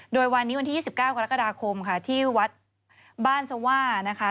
โดยวันนี้วันที่๒๙กรกฎาคมค่ะที่วัดบ้านสว่านะคะ